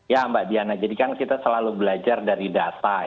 ya mbak diana jadi kan kita selalu belajar dari data